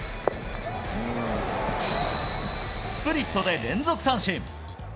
スプリットで連続三振。